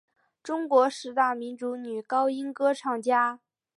中国十大民族女高音歌唱家。